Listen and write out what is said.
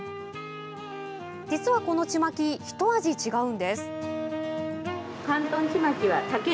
実は、このちまきひと味違うんです。